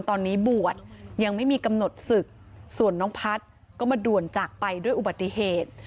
ตอนนี้บวชยังไม่มีกำหนดศึกส่วนน้องพัฒน์ก็มาด่วนจากไปด้วยอุบัติเหตุ